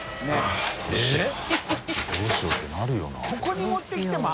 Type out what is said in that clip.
えっ？